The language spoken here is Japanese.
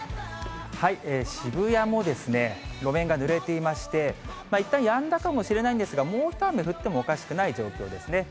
渋谷も路面がぬれていまして、いったんやんだかもしれないんですが、もうひと雨降ってもおかしくない状況ですね。